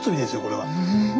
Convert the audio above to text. これは。